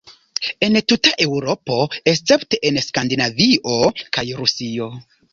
En tuta Eŭropo, escepte en Skandinavio kaj Rusio.